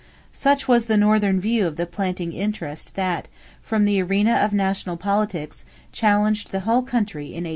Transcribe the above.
Such was the Northern view of the planting interest that, from the arena of national politics, challenged the whole country in 1860.